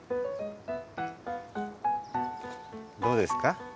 どうですか？